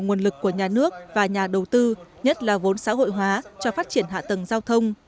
nguồn lực của nhà nước và nhà đầu tư nhất là vốn xã hội hóa cho phát triển hạ tầng giao thông